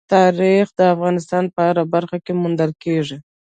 تاریخ د افغانستان په هره برخه کې موندل کېږي.